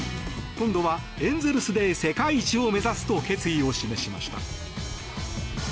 今度はエンゼルスで、世界一を目指すと決意を示しました。